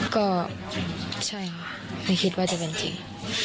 ก็ใช่ค่ะไม่คิดว่าจะเป็นจริง